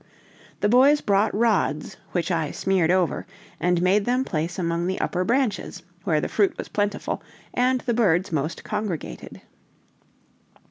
The boys brought rods, which I smeared over, and made them place among the upper branches, where the fruit was plentiful, and the birds most congregated.